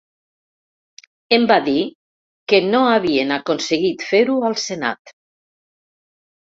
Em va dir que no havien aconseguit fer-ho al senat.